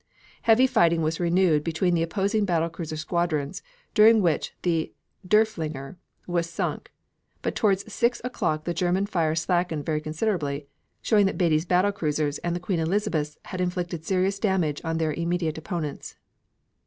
Heavy fighting was renewed between the opposing battle cruiser squadrons, during which the Derfflinger was sunk; but toward 6 o'clock the German fire slackened very considerably, showing that Beatty's battle cruisers and the Queen Elizabeths had inflicted serious damage on their immediate opponents.